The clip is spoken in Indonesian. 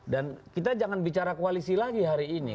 dan kita jangan bicara koalisi lagi hari ini